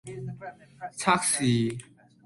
測試